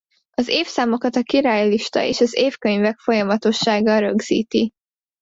Az évszámokat a királylista és az évkönyvek folyamatossága rögzíti.